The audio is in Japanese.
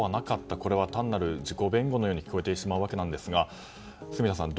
これは単なる自己弁護のように聞こえてしまうわけですが住田さん